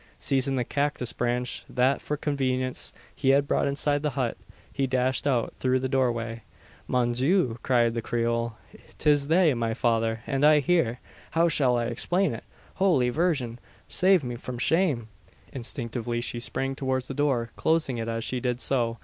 Seizing the cactus branch that for convenience he had brought inside the hut he dashed out through the doorway. "Mon Dieu!" cried the Creole, "'tis they! My father, and I here! How shall I explain it? Holy Virgin, save me from shame!" Instinctively she sprang towards the door, closing it, as she did so.